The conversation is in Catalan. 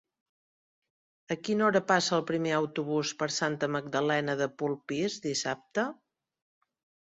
A quina hora passa el primer autobús per Santa Magdalena de Polpís dissabte?